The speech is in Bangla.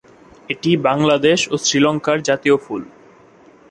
এটি বাংলাদেশ ও শ্রীলংকার জাতীয় ফুল।